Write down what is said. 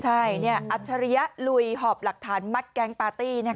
ใช่อัจฉริยะลุยหอบหลักฐานมัดแก๊งปาร์ตี้